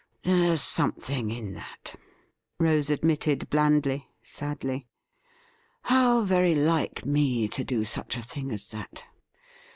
'There's something in that,' Rose admitted blandly, sadly. 'How very like me to do such a thing as that!